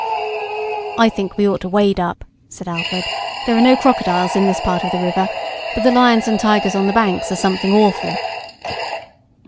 "I think we ought to wade up," said Alfred, "there are no crocodiles in this part of the river, but the lions and tigers on the banks are something awful."